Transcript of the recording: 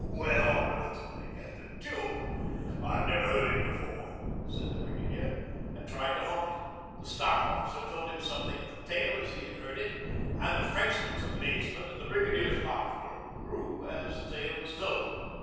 'Where on earth did they get the tune? I've never heard it before,' said the brigadier, and tried to hum it. The staff officer told him something of the tale as he had heard it, and the Frenchman's amazement and the brigadier's laughter grew as the tale was told.